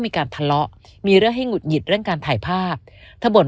มีการทะเลาะมีเรื่องให้หงุดหงิดเรื่องการถ่ายภาพเธอบ่น